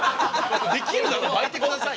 できるなら巻いてください？